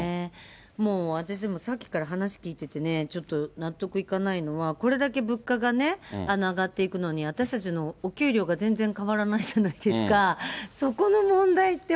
もう私でも、さっきから話聞いててね、ちょっと納得いかないのは、これだけ物価がね、上がっていくのに、私たちのお給料が全然変わらないじゃないですか。